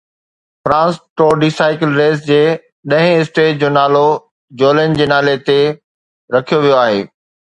France tour de cycle race جي ڏهين stage جو نالو جولين جي نالي تي رکيو ويو آهي